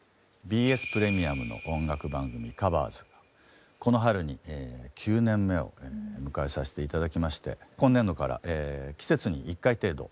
「ＢＳプレミアム」の音楽番組「ＴｈｅＣｏｖｅｒｓ」がこの春に９年目を迎えさして頂きまして今年度から季節に１回程度。